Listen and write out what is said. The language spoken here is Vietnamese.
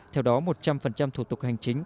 theo đó một trăm linh thủ tục hành trình